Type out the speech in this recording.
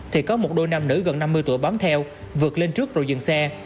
thì có một đôi nam nữ gần năm mươi tuổi bám theo vượt lên trước rồi dừng xe